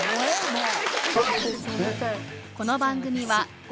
もう。